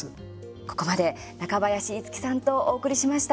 ここまで中林一樹さんとお送りしました。